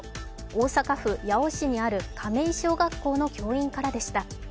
大阪府八尾市にある亀井小学校の教員からでした。